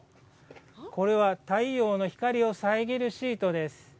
これは太陽の光を遮るシートです。